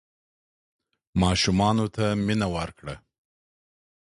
ماشومانو ته مینه ورکړه.